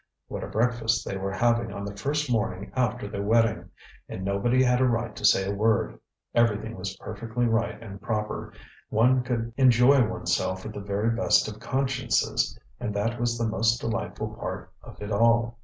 What a breakfast they were having on the first morning after their wedding! And nobody had a right to say a word. Everything was perfectly right and proper, one could enjoy oneself with the very best of consciences, and that was the most delightful part of it all.